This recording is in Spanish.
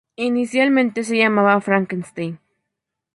Inicialmente se llamaban Frankenstein.